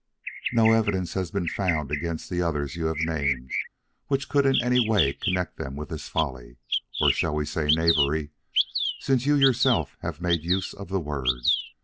"No evidence has been found against the others you have named which could in any way connect them with this folly or shall we say knavery, since you yourself have made use of the word.